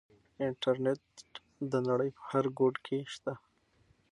انټرنيټ د نړۍ په هر ګوټ کې شته.